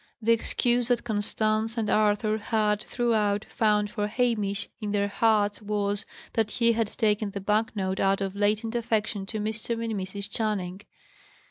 The excuse that Constance and Arthur had, throughout, found for Hamish in their hearts was, that he had taken the bank note out of latent affection to Mr. and Mrs. Channing.